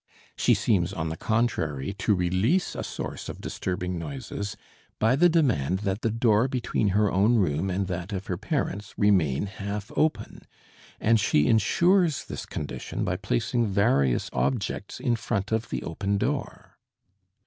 She seems on the contrary to release a source of disturbing noises by the demand that the door between her own room and that of her parents remain half open, and she insures this condition by placing various objects in front of the open door.